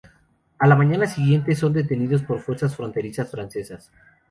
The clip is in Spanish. A la mañana siguiente son detenidos por fuerzas fronterizas francesas.